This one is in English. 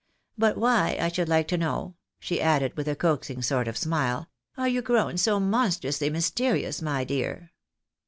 But why, I should like to know," she added, with a coaxing sort of smile, " are you grown so monstrously mysterious, my dear